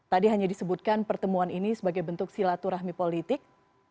tadi hanya disebutkan pertemuan ini sebagai bentuk silaturahmi politik